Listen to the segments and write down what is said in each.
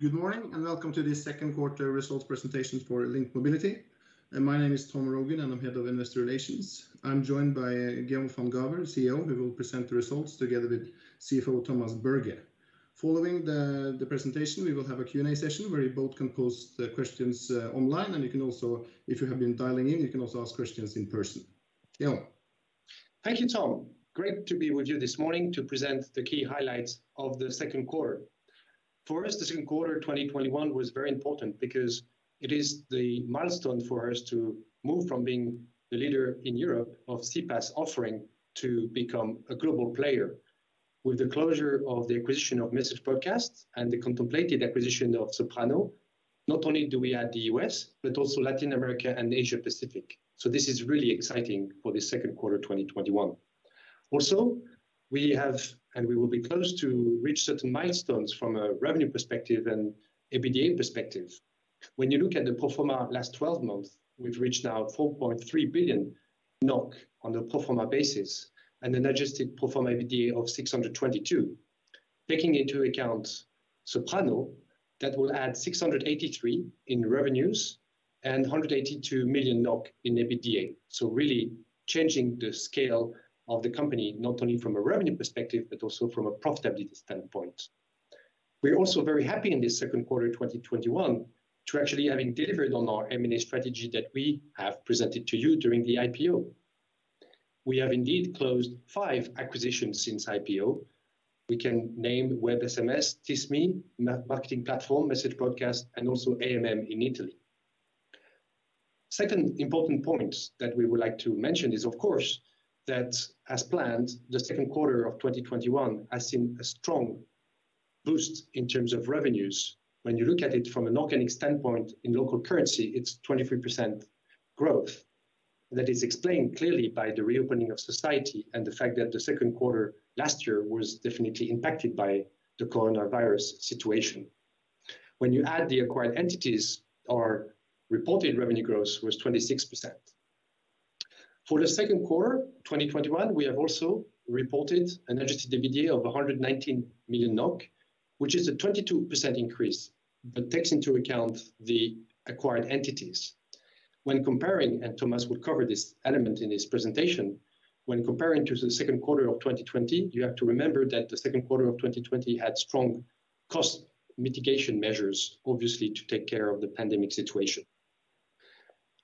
Good morning, and welcome to the Second Quarter Results Presentation for Link Mobility. My name is Tom Rogn, and I'm the Head of Investor Relations. I'm joined by Guillaume van Gaver, CEO, who will present the results together with CFO, Thomas Berge. Following the presentation, we will have a Q&A session where you both can post the questions online, and if you have been dialing in, you can also ask questions in person. Guillaume? Thank you, Tom. Great to be with you this morning to present the key highlights of the second quarter. For us, the second quarter 2021 was very important because it is the milestone for us to move from being the leader in Europe of CPaaS offering to become a global player. With the closure of the acquisition of Message Broadcast and the contemplated acquisition of Soprano, not only do we add the U.S., but also Latin America and Asia Pacific. This is really exciting for the second quarter 2021. Also, we have, and we will be close to reach certain milestones from a revenue perspective and EBITDA perspective. When you look at the pro forma last 12 months, we've reached now 4.3 billion NOK on the pro forma basis and an adjusted pro forma EBITDA of 622 million. Taking into account Soprano, that will add 683 million in revenues and 182 million NOK in EBITDA. Really changing the scale of the company, not only from a revenue perspective, but also from a profitability standpoint. We're also very happy in this second quarter 2021 to actually having delivered on our M&A strategy that we have presented to you during the IPO. We have indeed closed five acquisitions since IPO. We can name WebSMS, Tismi, MarketingPlatform, Message Broadcast, and also AMM in Italy. Second important point that we would like to mention is, of course, that as planned, the second quarter of 2021 has seen a strong boost in terms of revenues. When you look at it from an organic standpoint, in local currency, it's 23% growth. That is explained clearly by the reopening of society and the fact that the second quarter last year was definitely impacted by the coronavirus situation. When you add the acquired entities, our reported revenue growth was 26%. For the second quarter 2021, we have also reported an adjusted EBITDA of 119 million NOK, which is a 22% increase that takes into account the acquired entities. Thomas will cover this element in his presentation. When comparing to the second quarter of 2020, you have to remember that the second quarter of 2020 had strong cost mitigation measures, obviously to take care of the pandemic situation.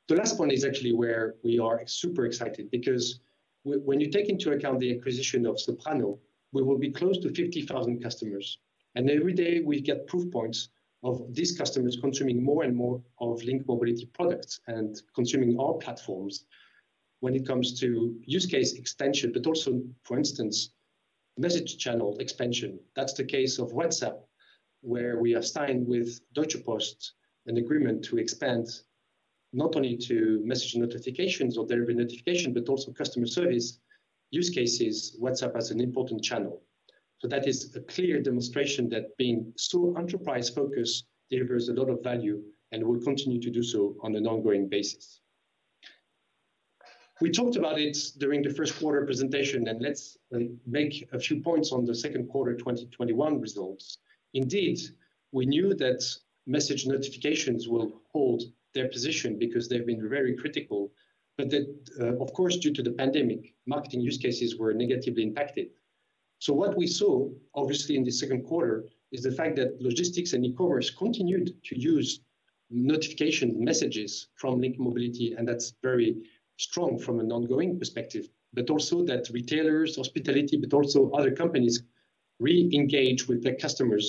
The last point is actually where we are super excited because when you take into account the acquisition of Soprano, we will be close to 50,000 customers, and every day we get proof points of these customers consuming more and more of Link Mobility products and consuming our platforms when it comes to use case extension, but also, for instance, message channel expansion. That's the case of WhatsApp, where we have signed with Deutsche Post an agreement to expand not only to message notifications or delivery notification, but also customer service use cases, WhatsApp as an important channel. That is a clear demonstration that being so enterprise-focused delivers a lot of value and will continue to do so on an ongoing basis. We talked about it during the first quarter presentation, and let's make a few points on the second quarter 2021 results. Indeed, we knew that message notifications will hold their position because they've been very critical. That, of course, due to the pandemic, marketing use cases were negatively impacted. What we saw, obviously in the second quarter, is the fact that logistics and e-commerce continued to use notification messages from Link Mobility, and that's very strong from an ongoing perspective. Also that retailers, hospitality, but also other companies re-engage with their customers,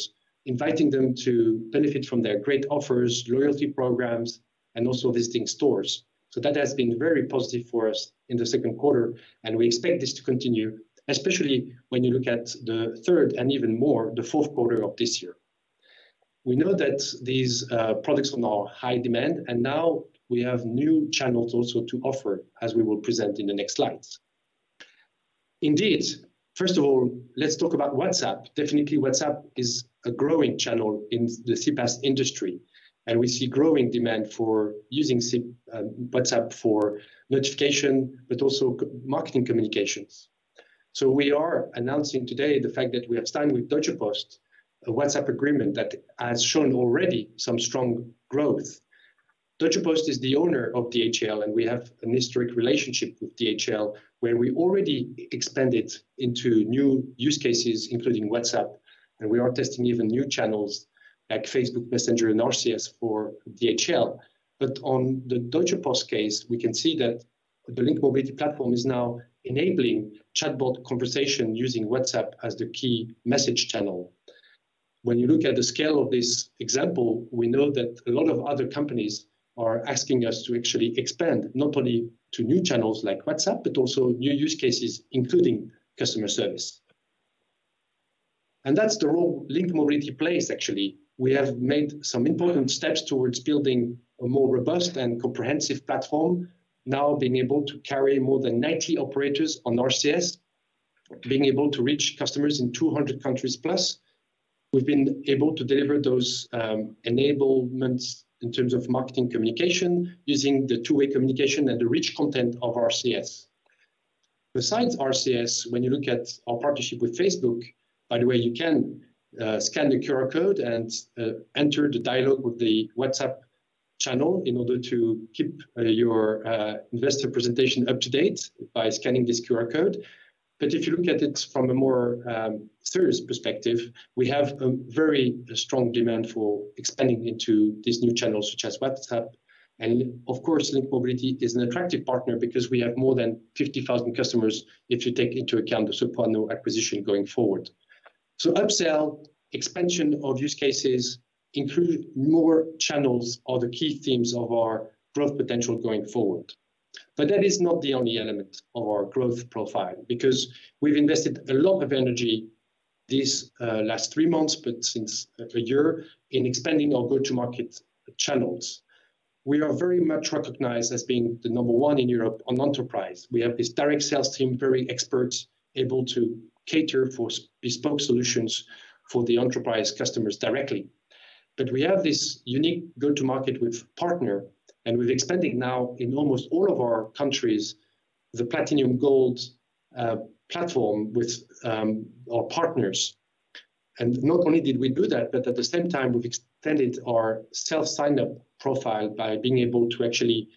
inviting them to benefit from their great offers, loyalty programs, and also visiting stores. That has been very positive for us in the second quarter, and we expect this to continue, especially when you look at the third and even more, the fourth quarter of this year. We know that these products are now in high demand, and now we have new channels also to offer, as we will present in the next slides. Indeed. Let's talk about WhatsApp. Definitely WhatsApp is a growing channel in the CPaaS industry, and we see growing demand for using WhatsApp for notification, but also marketing communications. We are announcing today the fact that we have signed with Deutsche Post a WhatsApp agreement that has shown already some strong growth. Deutsche Post is the owner of DHL, and we have an historic relationship with DHL, where we already expanded into new use cases, including WhatsApp, and we are testing even new channels like Facebook Messenger and RCS for DHL. On the Deutsche Post case, we can see that the Link Mobility platform is now enabling chatbot conversation using WhatsApp as the key message channel. When you look at the scale of this example, we know that a lot of other companies are asking us to actually expand not only to new channels like WhatsApp, but also new use cases, including customer service. That's the role Link Mobility plays, actually. We have made some important steps towards building a more robust and comprehensive platform, now being able to carry more than 90 operators on RCS, being able to reach customers in 200 countries plus. We've been able to deliver those enablements in terms of marketing communication using the two-way communication and the rich content of RCS. Besides RCS, when you look at our partnership with Facebook, by the way, you can scan the QR code and enter the dialogue with the WhatsApp channel in order to keep your investor presentation up to date by scanning this QR code. If you look at it from a more serious perspective, we have a very strong demand for expanding into these new channels such as WhatsApp, and of course Link Mobility is an attractive partner because we have more than 50,000 customers, if you take into account the Soprano acquisition going forward. Upsell, expansion of use cases, include more channels are the key themes of our growth potential going forward. That is not the only element of our growth profile, because we've invested a lot of energy these last three months, but since one year, in expanding our go-to-market channels. We are very much recognized as being the number one in Europe on enterprise. We have this direct sales team, very expert, able to cater for bespoke solutions for the enterprise customers directly. We have this unique go-to-market with partner, and we're expanding now in almost all of our countries, the platinum gold platform with our partners. Not only did we do that, but at the same time, we've extended our self-sign-up profile by being able to actually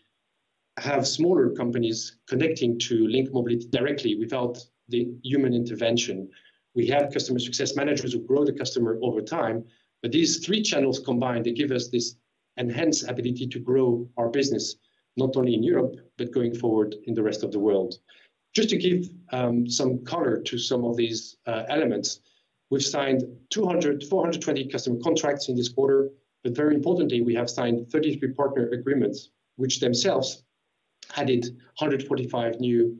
have smaller companies connecting to Link Mobility directly without the human intervention. We have customer success managers who grow the customer over time, but these three channels combined, they give us this enhanced ability to grow our business, not only in Europe, but going forward in the rest of the world. Just to give some color to some of these elements, we've signed 420 customer contracts in this quarter. Very importantly, we have signed 33 partner agreements, which themselves added 145 new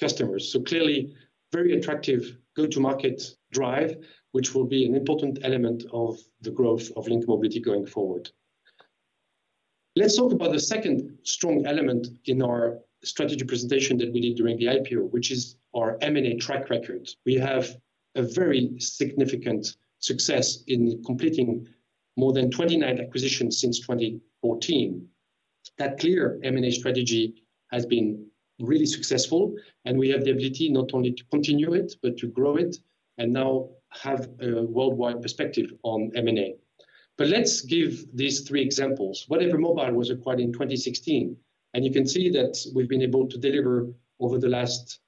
customers. Clearly very attractive go-to-market drive, which will be an important element of the growth of Link Mobility going forward. Let's talk about the second strong element in our strategy presentation that we did during the IPO, which is our M&A track record. We have a very significant success in completing more than 29 acquisitions since 2014. That clear M&A strategy has been really successful, and we have the ability not only to continue it, but to grow it and now have a worldwide perspective on M&A. Let's give these three examples. Whatever Mobile was acquired in 2016, and you can see that we've been able to deliver over the last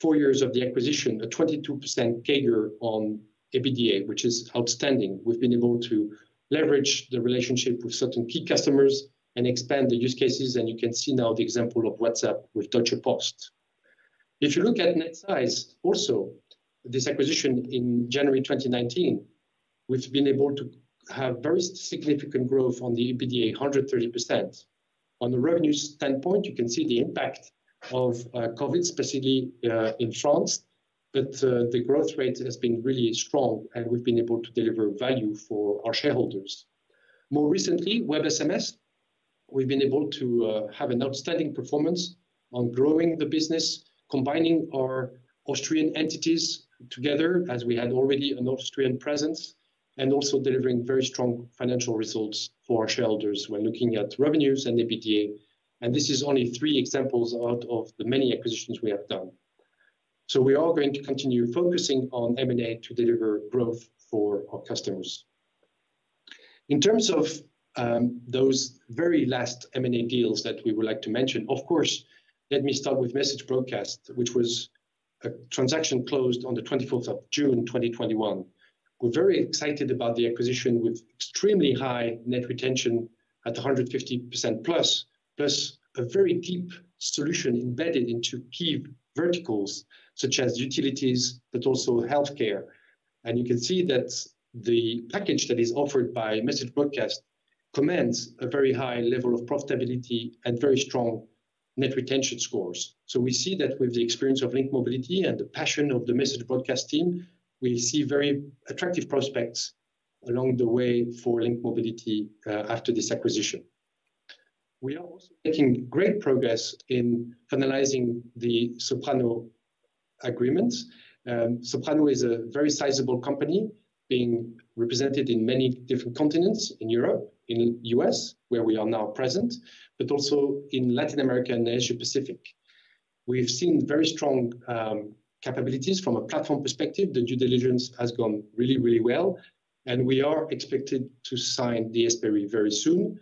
four years of the acquisition, a 22% CAGR on EBITDA, which is outstanding. We've been able to leverage the relationship with certain key customers and expand the use cases, and you can see now the example of WhatsApp with Deutsche Post. If you look at Netsize also, this acquisition in January 2019, we've been able to have very significant growth on the EBITDA, 130%. On the revenue standpoint, you can see the impact of COVID, specifically in France. The growth rate has been really strong and we've been able to deliver value for our shareholders. More recently, WebSMS, we've been able to have an outstanding performance on growing the business, combining our Austrian entities together as we had already an Austrian presence, and also delivering very strong financial results for our shareholders when looking at revenues and EBITDA, and this is only three examples out of the many acquisitions we have done. We are going to continue focusing on M&A to deliver growth for our customers. In terms of those very last M&A deals that we would like to mention, of course, let me start with Message Broadcast, which was a transaction closed on the 24th of June 2021. We're very excited about the acquisition with extremely high net retention at 150%+, plus a very deep solution embedded into key verticals such as utilities, but also healthcare. You can see that the package that is offered by Message Broadcast commands a very high level of profitability and very strong net retention scores. We see that with the experience of Link Mobility and the passion of the Message Broadcast team, we see very attractive prospects along the way for Link Mobility after this acquisition. We are also making great progress in finalizing the Soprano agreement. Soprano is a very sizable company being represented in many different continents in Europe, in U.S., where we are now present, but also in Latin America and Asia Pacific. We've seen very strong capabilities from a platform perspective. The due diligence has gone really well, we are expected to sign the SPA very soon.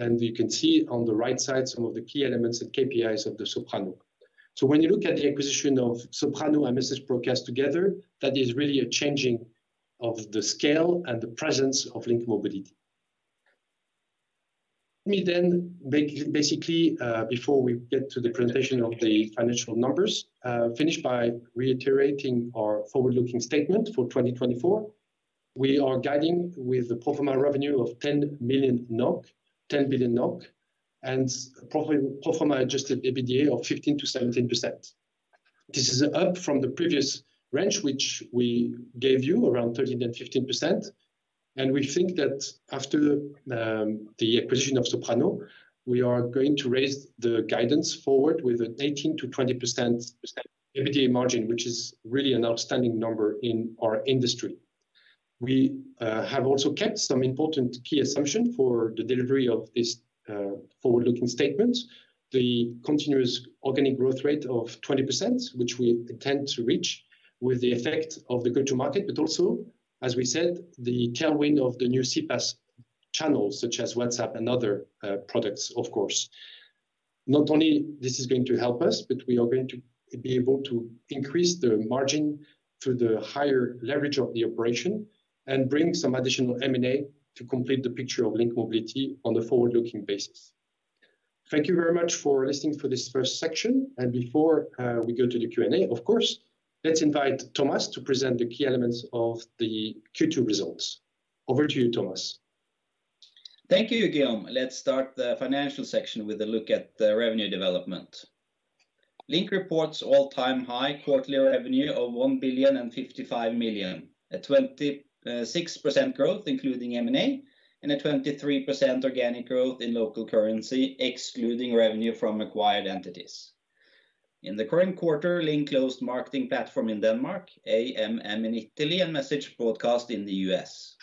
You can see on the right side some of the key elements and KPIs of the Soprano. When you look at the acquisition of Soprano and Message Broadcast together, that is really a changing of the scale and the presence of Link Mobility. Let me basically, before we get to the presentation of the financial numbers, finish by reiterating our forward-looking statement for 2024. We are guiding with a pro forma revenue of 10 billion NOK, and pro forma adjusted EBITDA of 15%-17%. This is up from the previous range, which we gave you around 13% and 15%, and we think that after the acquisition of Soprano, we are going to raise the guidance forward with an 18%-20% EBITDA margin, which is really an outstanding number in our industry. We have also kept some important key assumption for the delivery of this forward-looking statement. The continuous organic growth rate of 20%, which we intend to reach with the effect of the go-to-market, but also, as we said, the tailwind of the new CPaaS channels, such as WhatsApp and other products, of course. Not only this is going to help us, but we are going to be able to increase the margin through the higher leverage of the operation and bring some additional M&A to complete the picture of Link Mobility on the forward-looking basis. Thank you very much for listening for this first section. Before we go to the Q&A, of course, let's invite Thomas to present the key elements of the Q2 results. Over to you, Thomas. Thank you, Guillaume. Let's start the financial section with a look at the revenue development. Link reports all-time high quarterly revenue of 1.055 billion, a 26% growth, including M&A, and a 23% organic growth in local currency, excluding revenue from acquired entities. In the current quarter, Link closed MarketingPlatform in Denmark, AMM in Italy, and Message Broadcast in the U.S.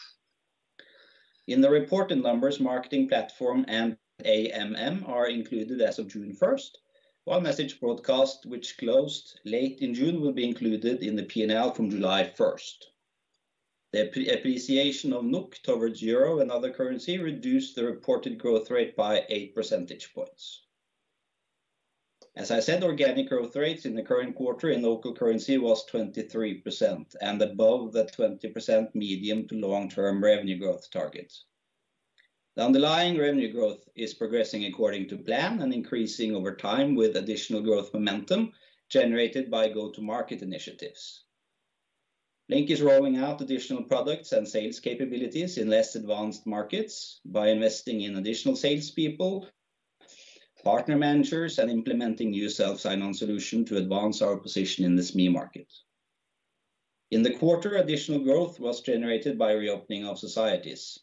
In the reported numbers, MarketingPlatform and AMM are included as of June 1st, while Message Broadcast, which closed late in June, will be included in the P&L from July 1st. The appreciation of NOK towards EUR and other currency reduced the reported growth rate by 8 percentage points. As I said, organic growth rates in the current quarter in local currency was 23% and above the 20% medium to long-term revenue growth target. The underlying revenue growth is progressing according to plan and increasing over time with additional growth momentum generated by go-to-market initiatives. Link is rolling out additional products and sales capabilities in less advanced markets by investing in additional salespeople, partner managers, and implementing new self-sign-up solution to advance our position in the SME market. In the quarter, additional growth was generated by reopening of societies.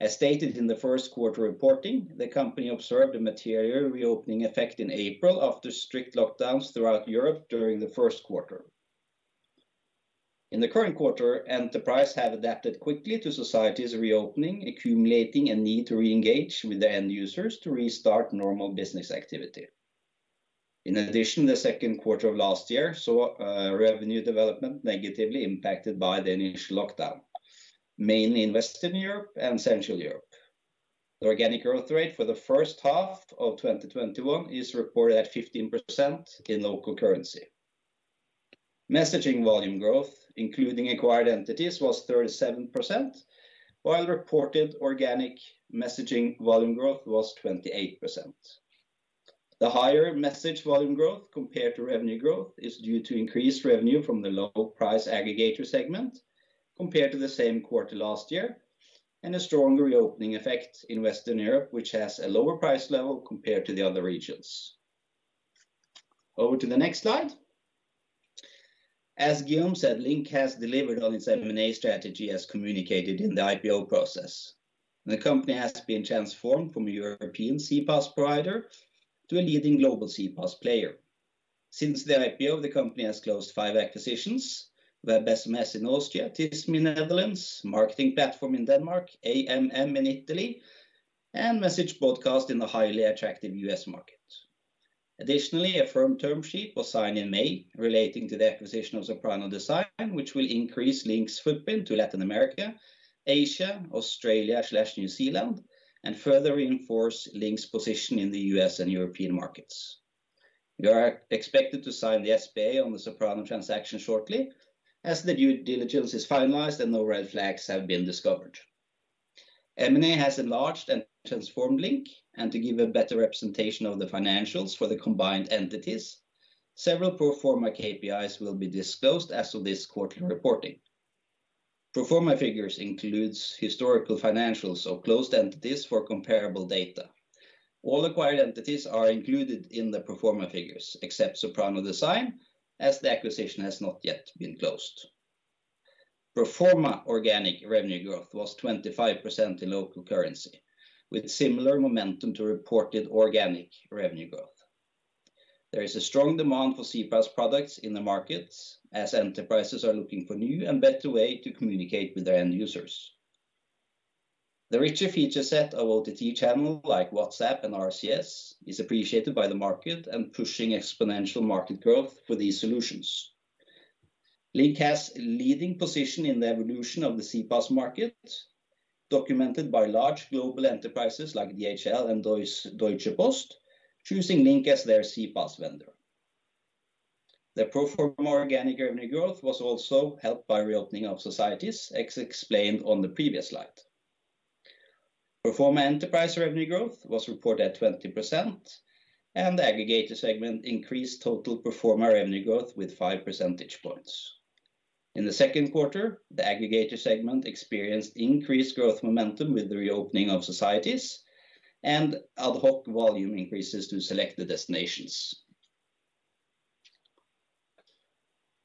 As stated in the first quarter reporting, the company observed a material reopening effect in April after strict lockdowns throughout Europe during the first quarter. In the current quarter, enterprise have adapted quickly to societies reopening, accumulating a need to reengage with the end users to restart normal business activity. In addition, the second quarter of last year saw revenue development negatively impacted by the initial lockdown, mainly in Western Europe and Central Europe. The organic growth rate for the first half of 2021 is reported at 15% in local currency. Messaging volume growth, including acquired entities, was 37%, while reported organic messaging volume growth was 28%. The higher message volume growth compared to revenue growth is due to increased revenue from the low price aggregator segment compared to the same quarter last year, and a stronger reopening effect in Western Europe, which has a lower price level compared to the other regions. Over to the next slide. As Guillaume said, Link has delivered on its M&A strategy as communicated in the IPO process. The company has been transformed from a European CPaaS provider to a leading global CPaaS player. Since the IPO, the company has closed five acquisitions, WebSMS in Austria, Tismi in Netherlands, MarketingPlatform in Denmark, AMM in Italy, and Message Broadcast in the highly attractive U.S. market. Additionally, a firm term sheet was signed in May relating to the acquisition of Soprano Design, which will increase Link's footprint to Latin America, Asia, Australia/New Zealand, and further reinforce Link's position in the U.S. and European markets. We are expected to sign the SPA on the Soprano transaction shortly, as the due diligence is finalized and no red flags have been discovered. M&A has enlarged and transformed Link, and to give a better representation of the financials for the combined entities, several pro forma KPIs will be disclosed as of this quarterly reporting. Pro forma figures includes historical financials of closed entities for comparable data. All acquired entities are included in the pro forma figures, except Soprano Design, as the acquisition has not yet been closed. Pro forma organic revenue growth was 25% in local currency, with similar momentum to reported organic revenue growth. There is a strong demand for CPaaS products in the markets, as enterprises are looking for new and better way to communicate with their end users. The richer feature set of OTT channel, like WhatsApp and RCS, is appreciated by the market and pushing exponential market growth for these solutions. Link has leading position in the evolution of the CPaaS market, documented by large global enterprises like DHL and Deutsche Post, choosing Link as their CPaaS vendor. The pro forma organic revenue growth was also helped by reopening of societies, as explained on the previous slide. Pro forma enterprise revenue growth was reported at 20%, and the aggregator segment increased total pro forma revenue growth with five percentage points. In the second quarter, the aggregator segment experienced increased growth momentum with the reopening of societies and ad hoc volume increases to selected destinations.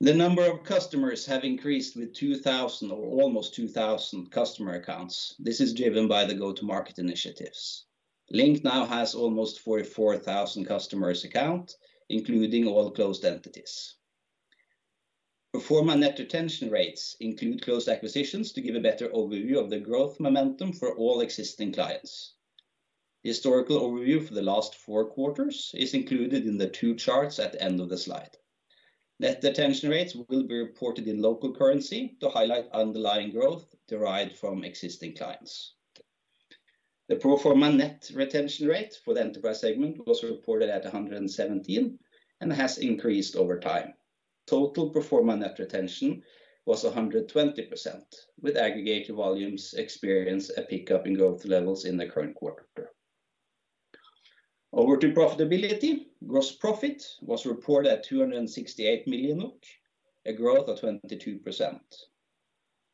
The number of customers have increased with 2,000, or almost 2,000 customer accounts. This is driven by the go-to-market initiatives. Link now has almost 44,000 customers account, including all closed entities. Pro forma net retention rates include closed acquisitions to give a better overview of the growth momentum for all existing clients. Historical overview for the last four quarters is included in the two charts at the end of the slide. Net retention rates will be reported in local currency to highlight underlying growth derived from existing clients. The pro forma net retention rate for the enterprise segment was reported at 117 and has increased over time. Total pro forma net retention was 120%, with aggregator volumes experience a pickup in growth levels in the current quarter. Over to profitability. Gross profit was reported at 268 million, a growth of 22%.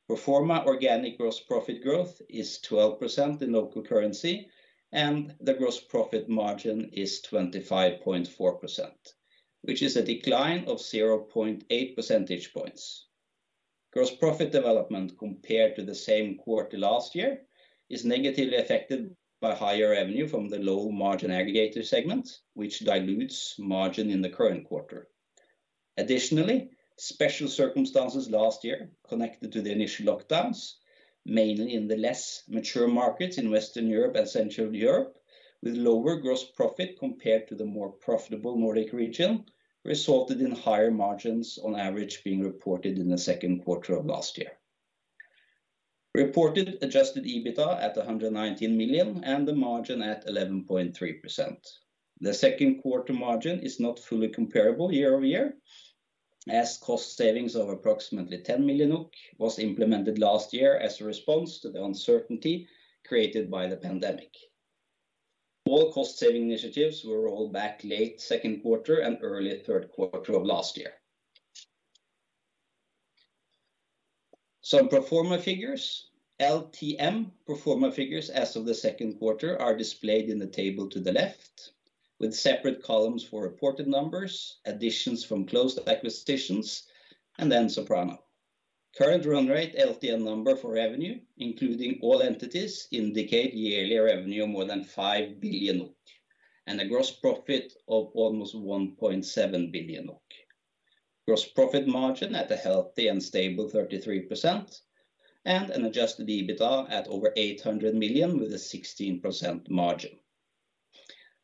Pro forma organic gross profit growth is 12% in local currency, and the gross profit margin is 25.4%, which is a decline of 0.8 percentage points. Gross profit development compared to the same quarter last year is negatively affected by higher revenue from the low-margin aggregator segment, which dilutes margin in the current quarter. Additionally, special circumstances last year connected to the initial lockdowns, mainly in the less mature markets in Western Europe and Central Europe, with lower gross profit compared to the more profitable Nordic region, resulted in higher margins on average being reported in the second quarter of last year. Reported adjusted EBITDA at 119 million and the margin at 11.3%. The second quarter margin is not fully comparable year-over-year, as cost savings of approximately 10 million was implemented last year as a response to the uncertainty created by the pandemic. All cost-saving initiatives were rolled back late second quarter and early third quarter of last year. Some pro forma figures. LTM pro forma figures as of the second quarter are displayed in the table to the left, with separate columns for reported numbers, additions from closed acquisitions, and then Soprano. Current run rate LTM number for revenue, including all entities, indicate yearly revenue of more than 5 billion, and a gross profit of almost 1.7 billion. Gross profit margin at a healthy and stable 33%, and an adjusted EBITA at over 800 million, with a 16% margin.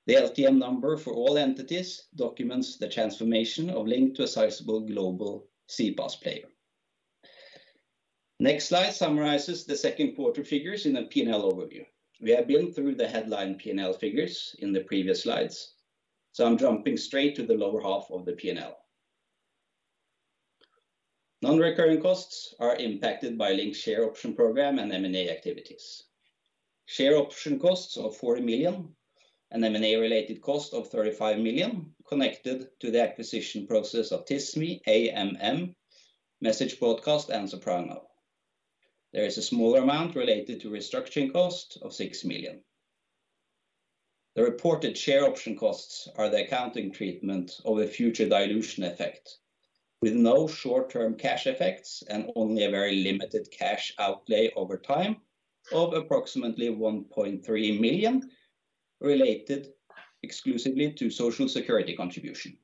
The LTM number for all entities documents the transformation of Link to a sizable global CPaaS player. Next slide summarizes the second quarter figures in a P&L overview. We have been through the headline P&L figures in the previous slides, I'm jumping straight to the lower half of the P&L. Non-recurring costs are impacted by Link's share option program and M&A activities. Share option costs of 40 million and M&A related cost of 35 million connected to the acquisition process of Tismi, AMM, Message Broadcast, and Soprano. There is a smaller amount related to restructuring cost of 6 million. The reported share option costs are the accounting treatment of a future dilution effect, with no short-term cash effects and only a very limited cash outlay over time of approximately 1.3 million, related exclusively to Social Security contribution.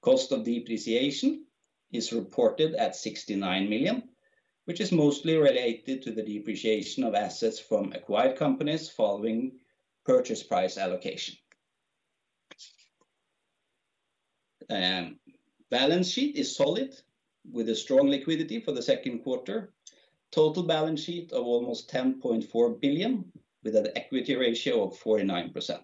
Cost of depreciation is reported at 69 million, which is mostly related to the depreciation of assets from acquired companies following purchase price allocation. Balance sheet is solid, with a strong liquidity for the second quarter. Total balance sheet of almost 10.4 billion, with an equity ratio of 49%.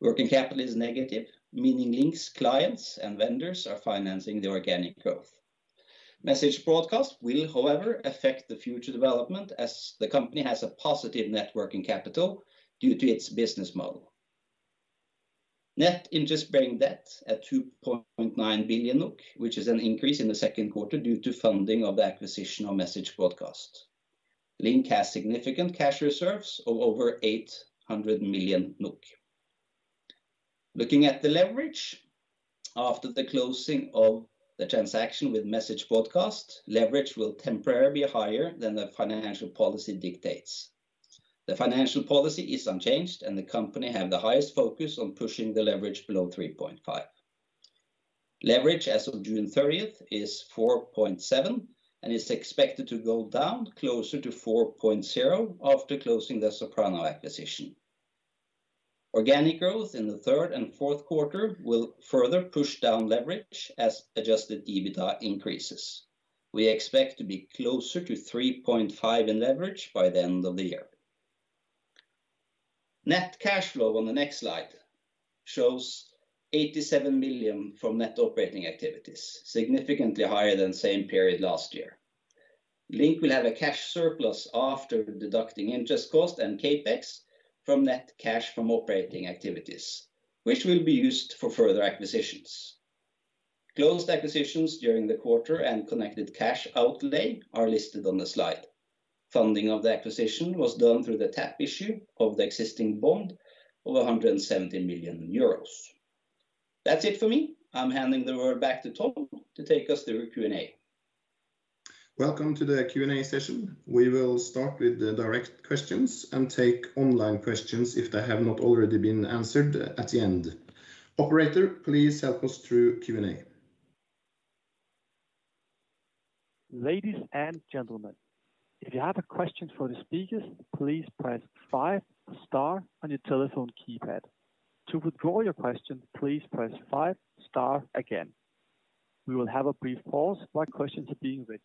Working capital is negative, meaning Link's clients and vendors are financing the organic growth. Message Broadcast will, however, affect the future development, as the company has a positive net working capital due to its business model. Net interest-bearing debt at 2.9 billion, which is an increase in the second quarter due to funding of the acquisition of Message Broadcast. Link has significant cash reserves of over 800 million NOK. Looking at the leverage. After the closing of the transaction with Message Broadcast, leverage will temporarily be higher than the financial policy dictates. The financial policy is unchanged, and the company have the highest focus on pushing the leverage below 3.5. Leverage as of June 30th is 4.7 and is expected to go down closer to 4.0 after closing the Soprano acquisition. Organic growth in the third and fourth quarter will further push down leverage as adjusted EBITA increases. We expect to be closer to 3.5 in leverage by the end of the year. Net cash flow on the next slide shows 87 million from net operating activities, significantly higher than same period last year. Link will have a cash surplus after deducting interest cost and CapEx from net cash from operating activities, which will be used for further acquisitions. Closed acquisitions during the quarter and connected cash outlay are listed on the slide. Funding of the acquisition was done through the tap issue of the existing bond of 170 million euros. That's it for me. I'm handing the word back to Tom to take us through Q&A. Welcome to the Q&A session. We will start with the direct questions and take online questions if they have not already been answered at the end. Operator, please help us through Q&A. Ladies and gentlemen, if you have a question for the speakers, please press five star on your telephone keypad. To withdraw your question, please press five star again. We will have a brief pause while questions are being read.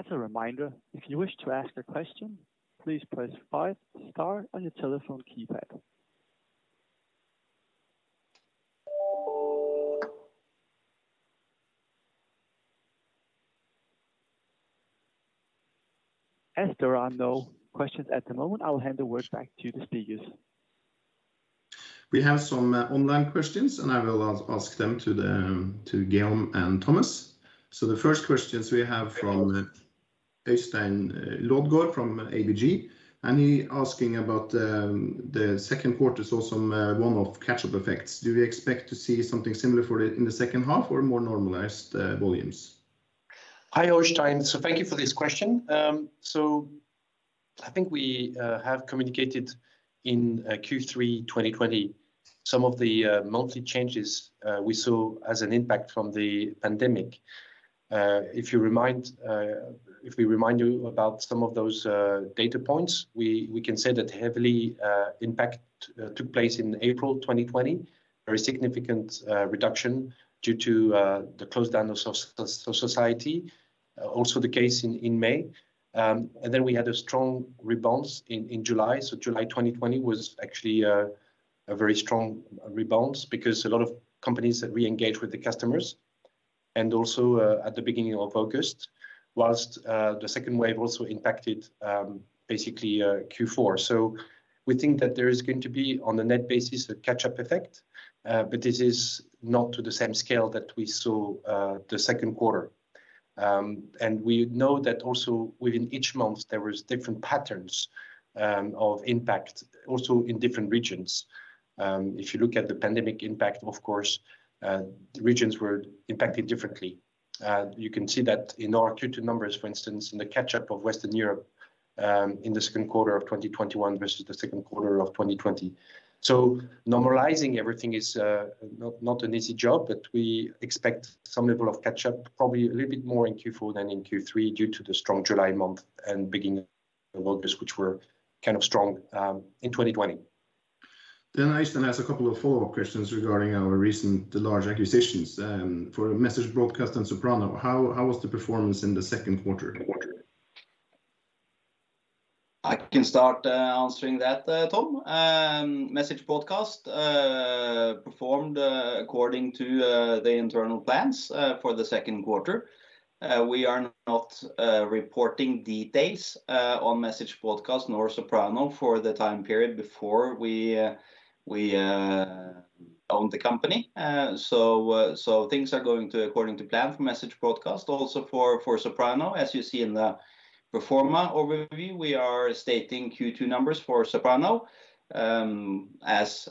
As a reminder, if you wish to ask a question, please press five star on your telephone keypad. As there are no questions at the moment, I'll hand the word back to the speakers. We have some online questions. I will ask them to Guillaume and Thomas. The first questions we have from Øystein Lodgaard from ABG. He asking about the second quarter saw some one-off catch-up effects. Do we expect to see something similar in the second half or more normalized volumes? Hi, Øystein. Thank you for this question. I think we have communicated in Q3 2020 some of the monthly changes we saw as an impact from the pandemic. If we remind you about some of those data points, we can say that heavy impact took place in April 2020. Very significant reduction due to the closedown of society. Also the case in May. Then we had a strong rebound in July. July 2020 was actually a very strong rebound because a lot of companies re-engaged with the customers, and also at the beginning of August. Whilst the second wave also impacted basically Q4. We think that there is going to be, on a net basis, a catch-up effect. This is not to the same scale that we saw the second quarter. We know that also within each month, there was different patterns of impact, also in different regions. If you look at the pandemic impact, of course, regions were impacted differently. You can see that in our Q2 numbers, for instance, in the catch-up of Western Europe, in the second quarter of 2021 versus the second quarter of 2020. Normalizing everything is not an easy job, but we expect some level of catch-up, probably a little bit more in Q4 than in Q3 due to the strong July month and beginning of August, which were kind of strong in 2020. Øystein has a couple of follow-up questions regarding our recent large acquisitions. For Message Broadcast and Soprano, how was the performance in the second quarter? I can start answering that, Tom. Message Broadcast performed according to the internal plans for the second quarter. We are not reporting details on Message Broadcast nor Soprano for the time period before we owned the company. Things are going according to plan for Message Broadcast. Also for Soprano. As you see in the pro forma overview, we are stating Q2 numbers for Soprano. As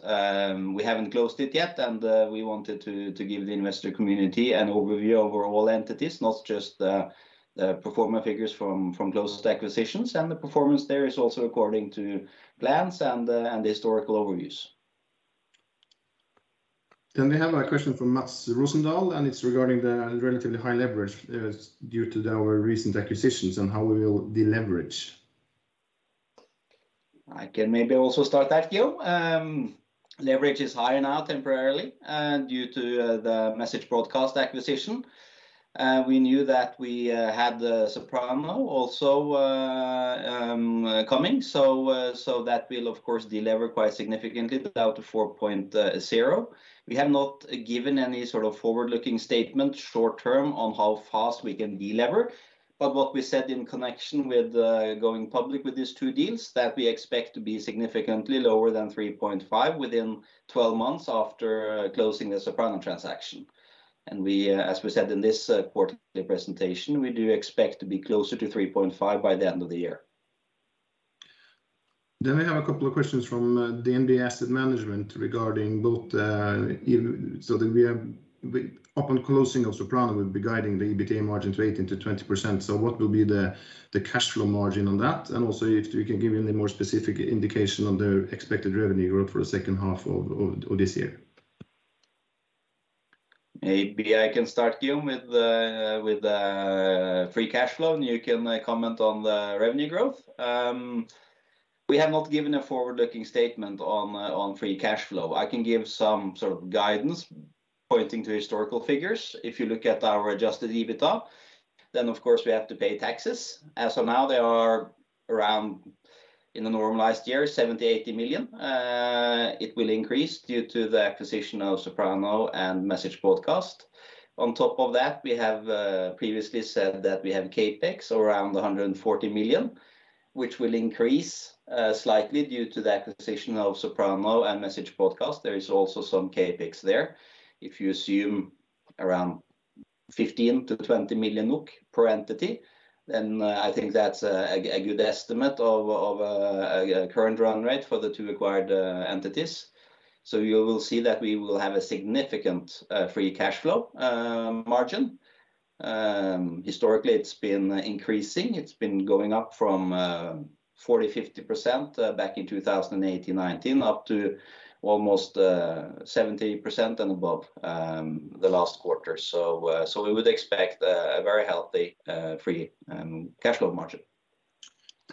we haven't closed it yet, and we wanted to give the investor community an overview over all entities, not just the pro forma figures from closed acquisitions. The performance there is also according to plans and the historical overviews. We have a question from Mads Rosendal, and it's regarding the relatively high leverage due to our recent acquisitions and how we will deleverage. I can maybe also start that, Guillaume. Leverage is higher now temporarily due to the Message Broadcast acquisition. We knew that we had Soprano also coming, so that will, of course, delever quite significantly down to 4.0. We have not given any sort of forward-looking statement short term on how fast we can delever, but what we said in connection with going public with these two deals, that we expect to be significantly lower than 3.5 within 12 months after closing the Soprano transaction. As we said in this quarterly presentation, we do expect to be closer to 3.5 by the end of the year. We have a couple of questions from DNB Asset Management regarding both. Upon closing of Soprano, we'll be guiding the EBITDA margins 18%-20%. What will be the cash flow margin on that? Also, if you can give any more specific indication on the expected revenue growth for the second half of this year. Maybe I can start, Guillaume, with free cash flow, and you can comment on the revenue growth. We have not given a forward-looking statement on free cash flow. I can give some sort of guidance pointing to historical figures. If you look at our adjusted EBITDA, of course we have to pay taxes. As of now, they are around, in a normalized year, 70 million-80 million. It will increase due to the acquisition of Soprano and Message Broadcast. On top of that, we have previously said that we have CapEx around 140 million, which will increase slightly due to the acquisition of Soprano and Message Broadcast. There is also some CapEx there. If you assume around 15 million-20 million NOK per entity. I think that's a good estimate of the current run rate for the two acquired entities. You will see that we will have a significant free cash flow margin. Historically, it's been increasing. It's been going up from 40%, 50% back in 2018, 2019, up to almost 70% and above the last quarter. We would expect a very healthy free cash flow margin.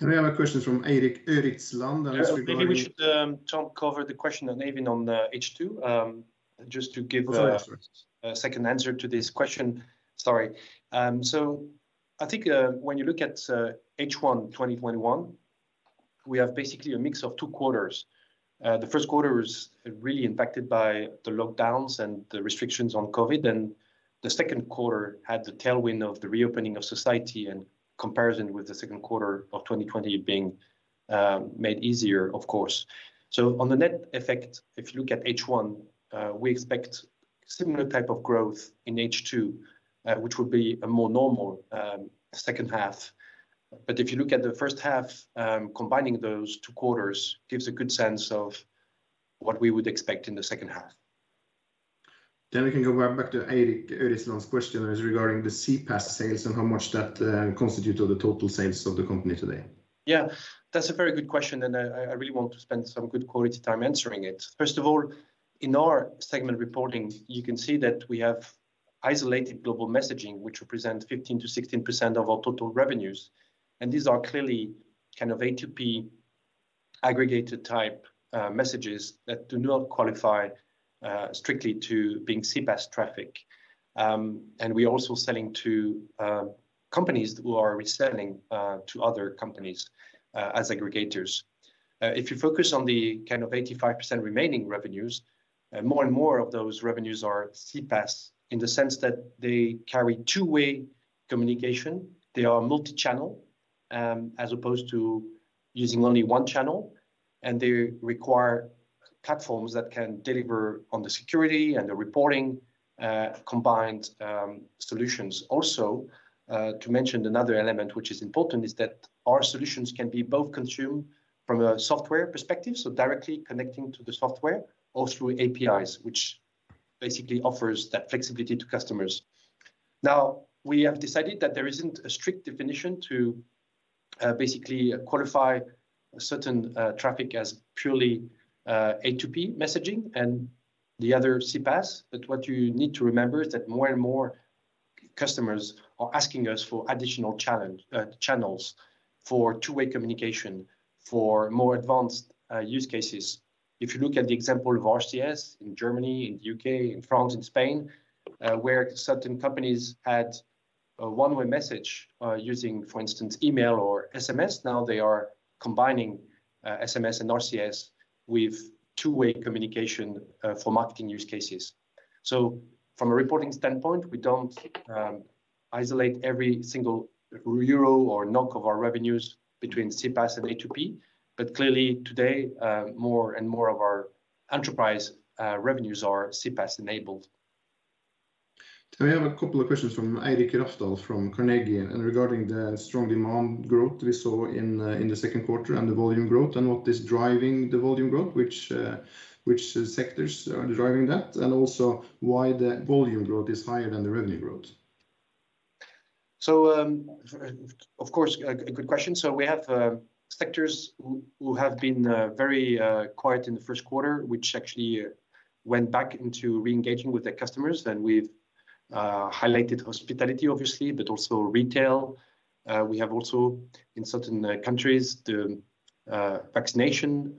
We have a question from Eirik Eriksrød, and it's regarding. Maybe we should cover the question, on the H2, just to give... Go for it, first.... Second answer to this question. Sorry. I think when you look at H1 2021, we have basically a mix of two quarters. The first quarter was really impacted by the lockdowns and the restrictions on COVID, and the second quarter had the tailwind of the reopening of society and comparison with the second quarter of 2020 being made easier, of course. On the net effect, if you look at H1, we expect similar type of growth in H2, which will be a more normal second half. If you look at the first half, combining those two quarters gives a good sense of what we would expect in the second half. We can go right back to Eirik Eriksrød's question regarding the CPaaS sales and how much that constitutes of the total sales of the company today. Yeah. That's a very good question, and I really want to spend some good quality time answering it. First of all, in our segment reporting, you can see that we have isolated global messaging, which represents 15%-16% of our total revenues. These are clearly A2P aggregated type messages that do not qualify strictly to being CPaaS traffic. We're also selling to companies who are reselling to other companies as aggregators. If you focus on the 85% remaining revenues, more and more of those revenues are CPaaS in the sense that they carry two-way communication. They are multi-channel, as opposed to using only one channel, and they require platforms that can deliver on the security and the reporting of combined solutions. To mention another element which is important, is that our solutions can be both consumed from a software perspective, so directly connecting to the software or through APIs, which basically offers that flexibility to customers. We have decided that there isn't a strict definition to basically qualify certain traffic as purely A2P messaging and the other CPaaS. What you need to remember is that more and more customers are asking us for additional channels for two-way communication, for more advanced use cases. If you look at the example of RCS in Germany, in the U.K., in France and Spain, where certain companies had a one-way message, using, for instance, email or SMS, now they are combining SMS and RCS with two-way communication for marketing use cases. From a reporting standpoint, we don't isolate every single EUR or NOK of our revenues between CPaaS and A2P. Clearly today, more and more of our enterprise revenues are CPaaS enabled. We have a couple of questions from Eirik Langtvet Rafdal from Carnegie regarding the strong demand growth we saw in the second quarter and the volume growth and what is driving the volume growth, which sectors are driving that, and also why the volume growth is higher than the revenue growth. Of course, a good question. We have sectors who have been very quiet in the first quarter, which actually went back into re-engaging with their customers. We've highlighted hospitality, obviously, but also retail. We have also, in certain countries, the vaccination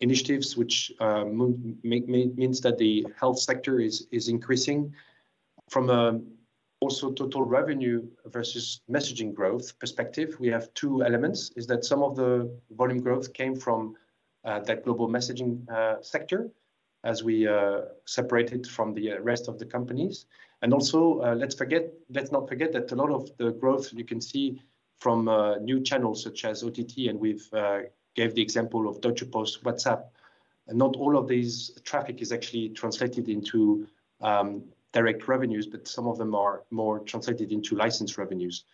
initiatives, which means that the health sector is increasing. From also total revenue versus messaging growth perspective, we have two elements, is that some of the volume growth came from that global messaging sector as we separate it from the rest of the companies. Also, let's not forget that a lot of the growth you can see from new channels such as OTT, and we've gave the example of Deutsche Post WhatsApp. Not all of this traffic is actually translated into direct revenues, but some of them are more translated into license revenues.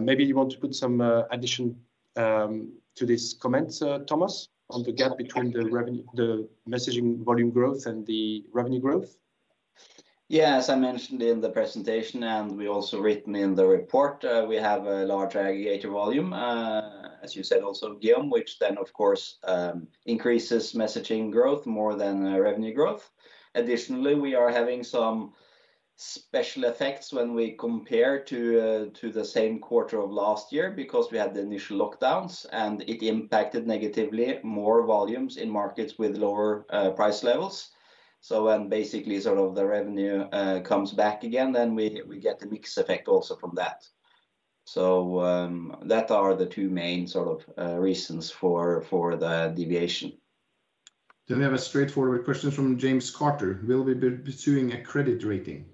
Maybe you want to put some addition to these comments, Thomas, on the gap between the messaging volume growth and the revenue growth? Yeah, as I mentioned in the presentation, and we also written in the report, we have a large aggregator volume, as you said, also, Guillaume, which then, of course, increases messaging growth more than revenue growth. Additionally, we are having some special effects when we compare to the same quarter of last year because we had the initial lockdowns, and it impacted negatively more volumes in markets with lower price levels. When basically sort of the revenue comes back again, then we get the mix effect also from that. That are the two main sort of reasons for the deviation. We have a straightforward question from James Carter. Will we be pursuing a credit rating?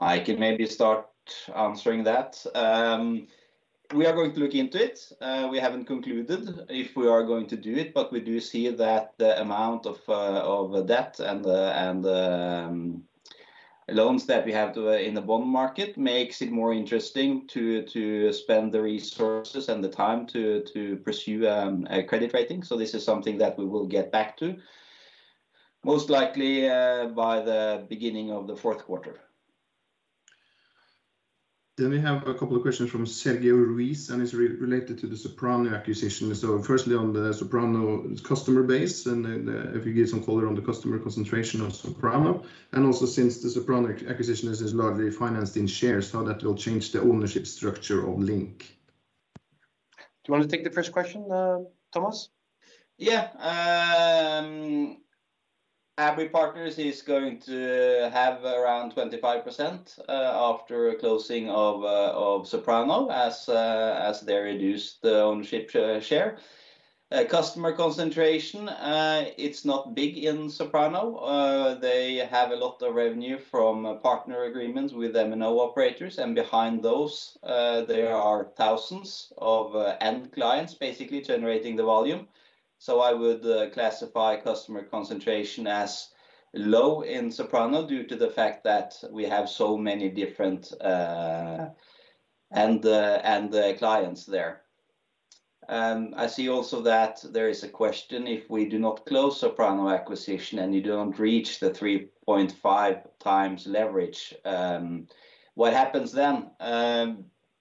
I can maybe start answering that. We are going to look into it. We haven't concluded if we are going to do it, but we do see that the amount of debt and the loans that we have in the bond market makes it more interesting to spend the resources and the time to pursue a credit rating. This is something that we will get back to, most likely by the beginning of the fourth quarter. We have a couple of questions from Sergio Ruiz, and it is related to the Soprano acquisition. Firstly, on the Soprano customer base, and if you give some color on the customer concentration of Soprano, and also since the Soprano acquisition is largely financed in shares, how that will change the ownership structure of Link. Do you want to take the first question, Thomas? Yeah. Abry Partners is going to have around 25% after closing of Soprano as they reduce the ownership share. Customer concentration, it's not big in Soprano. They have a lot of revenue from partner agreements with MNO operators, and behind those, there are thousands of end clients basically generating the volume. I would classify customer concentration as low in Soprano due to the fact that we have so many different end clients there. I see also that there is a question if we do not close Soprano acquisition and you don't reach the 3.5 times leverage. What happens then?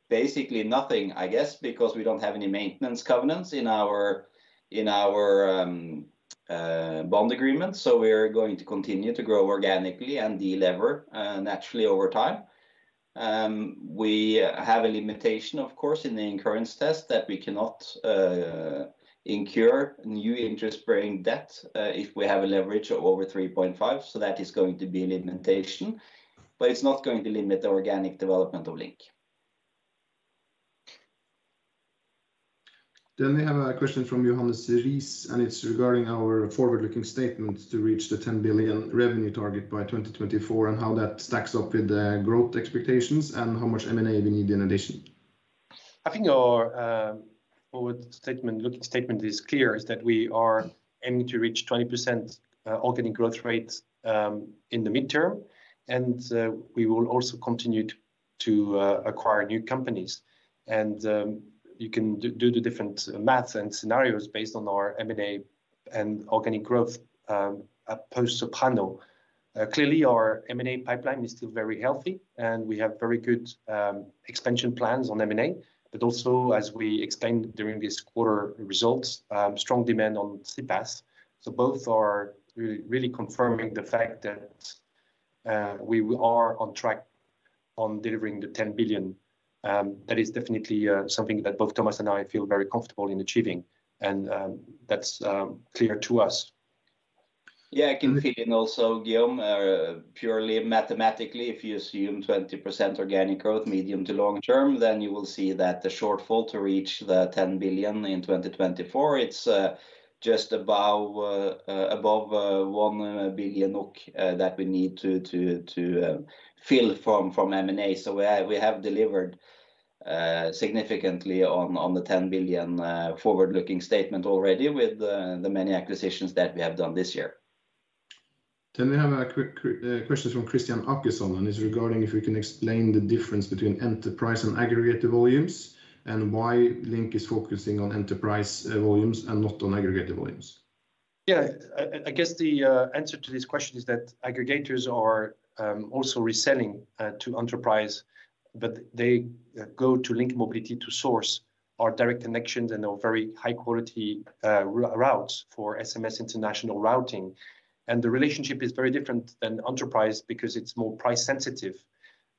Basically nothing, I guess, because we don't have any maintenance covenants in our bond agreement, we're going to continue to grow organically and de-lever naturally over time. We have a limitation of course, in the incurrence test that we cannot incur new interest-bearing debt if we have a leverage of over 3.5. That is going to be a limitation, but it's not going to limit the organic development of Link. We have a question from Johannes Riis, and it's regarding our forward-looking statements to reach the 10 billion revenue target by 2024 and how that stacks up with the growth expectations and how much M&A we need in addition. I think our forward-looking statement is clear, is that we are aiming to reach 20% organic growth rates in the midterm, and we will also continue to acquire new companies. You can do the different maths and scenarios based on our M&A and organic growth, post Soprano. Clearly, our M&A pipeline is still very healthy, and we have very good expansion plans on M&A, but also as we explained during this quarter results, strong demand on CPaaS. Both are really confirming the fact that we are on track on delivering the 10 billion. That is definitely something that both Thomas and I feel very comfortable in achieving, and that's clear to us. Yeah, I can fill in also, Guillaume. Purely mathematically, if you assume 20% organic growth, medium to long term, then you will see that the shortfall to reach the 10 billion in 2024, it's just above 1 billion that we need to fill from M&A. We have delivered significantly on the 10 billion forward-looking statement already with the many acquisitions that we have done this year. We have a quick question from Christian Åkesson, and it's regarding if we can explain the difference between enterprise and aggregator volumes and why Link is focusing on enterprise volumes and not on aggregator volumes. Yeah. I guess the answer to this question is that aggregators are also reselling to enterprise, but they go to Link Mobility to source our direct connections and our very high-quality routes for SMS international routing. The relationship is very different than enterprise because it's more price sensitive,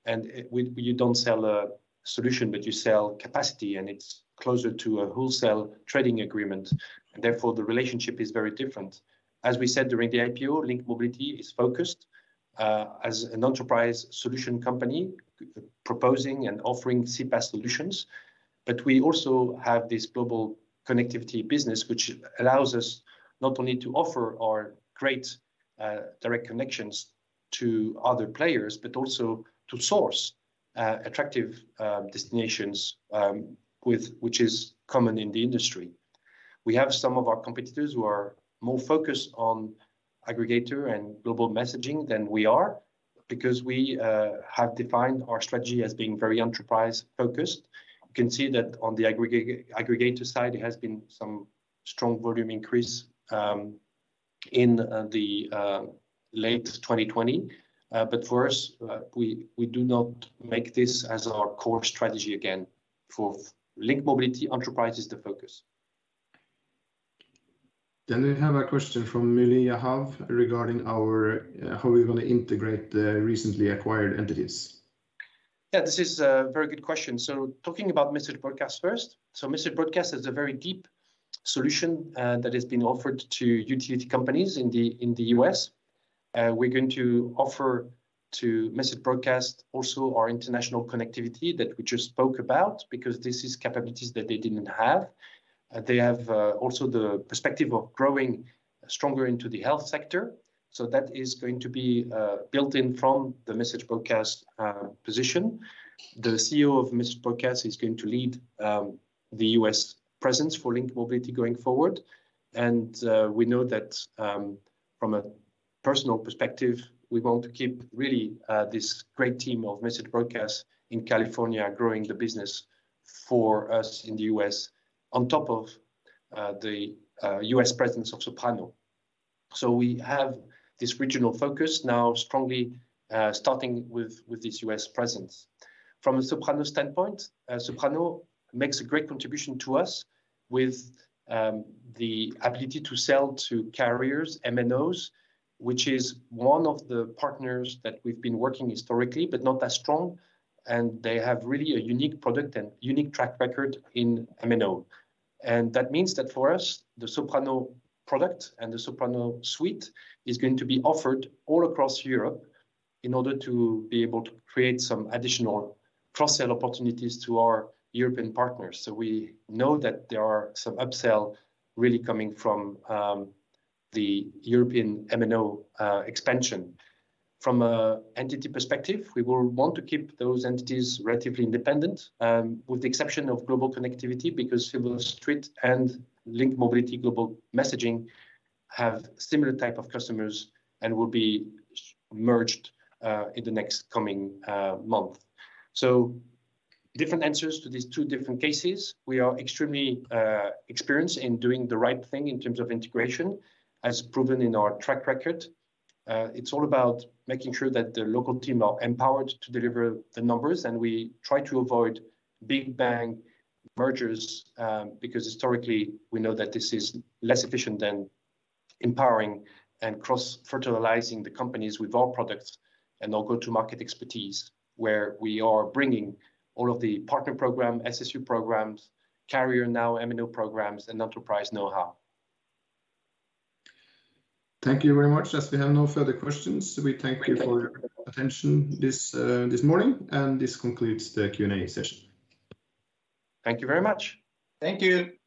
and you don't sell a solution, but you sell capacity, and it's closer to a wholesale trading agreement. Therefore, the relationship is very different. As we said during the IPO, Link Mobility is focused, as an enterprise solution company, proposing and offering CPaaS solutions. We also have this global connectivity business, which allows us not only to offer our great direct connections to other players, but also to source attractive destinations, which is common in the industry. We have some of our competitors who are more focused on aggregator and global messaging than we are because we have defined our strategy as being very enterprise-focused. You can see that on the aggregator side, it has been some strong volume increase in the late 2020. For us, we do not make this as our core strategy again. For Link Mobility, enterprise is the focus. We have a question from Millie Jahav regarding how we're going to integrate the recently acquired entities. Yeah, this is a very good question. Talking about Message Broadcast first. Message Broadcast is a very deep solution that has been offered to utility companies in the U.S. We're going to offer to Message Broadcast also our international connectivity that we just spoke about because this is capabilities that they didn't have. They have also the perspective of growing stronger into the health sector. That is going to be built in from the Message Broadcast position. The CEO of Message Broadcast is going to lead the U.S. presence for Link Mobility going forward, and we know that from a personal perspective, we want to keep this great team of Message Broadcast in California growing the business for us in the U.S. on top of the U.S. presence of Soprano. We have this regional focus now strongly starting with this U.S. presence. From a Soprano standpoint, Soprano makes a great contribution to us with the ability to sell to carriers, MNOs, which is one of the partners that we've been working historically, but not that strong, and they have really a unique product and unique track record in MNO. That means that for us, the Soprano product and the Soprano suite is going to be offered all across Europe in order to be able to create some additional cross-sell opportunities to our European partners. We know that there are some upsell really coming from the European MNO expansion. From an entity perspective, we will want to keep those entities relatively independent, with the exception of global connectivity, because Silverstreet and Link Mobility global messaging have similar type of customers and will be merged in the next coming month. Different answers to these two different cases. We are extremely experienced in doing the right thing in terms of integration, as proven in our track record. It's all about making sure that the local team are empowered to deliver the numbers. We try to avoid big bang mergers, because historically, we know that this is less efficient than empowering and cross-fertilizing the companies with our products and our go-to-market expertise, where we are bringing all of the partner program, SSU programs, carrier now MNO programs, and enterprise know-how. Thank you very much. As we have no further questions, we thank you for your attention this morning, and this concludes the Q&A session. Thank you very much. Thank you.